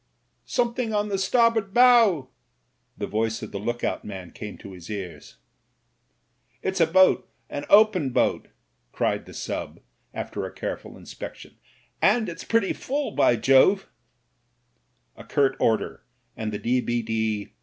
"Something on the starboard bow.'* The voice of the look out man came to his ears. "It's a boat, an open boat," cried the sub., after a careful inspection, "and it's pretty full, by Jove I" A curt order, and the T.B.D.